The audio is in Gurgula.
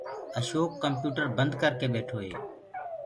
اشوڪ ڪمپيوٽرو بنٚد ڪر ڪي ٻيٺو هي